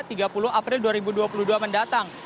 atau kemudian dua ribu dua puluh dua mendatang